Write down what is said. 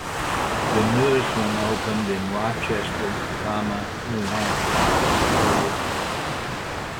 The newest one opened in Rochester, New Hampshire.